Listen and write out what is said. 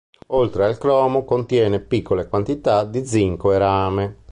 Oltre al cromo, contiene piccole quantità di zinco e rame.